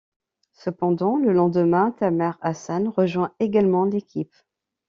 Cependant, le lendemain, Tamer Hassan rejoint également l'équipe.